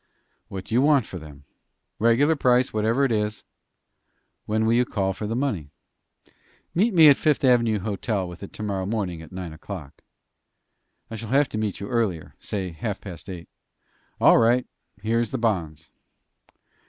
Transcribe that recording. "What do you want for them?" "Regular price, whatever it is." "When will you call for the money?" "Meet me at Fifth Avenue Hotel with it tomorrow morning at nine o'clock." "I shall have to meet you earlier say half past eight." "All right. Here's the bonds."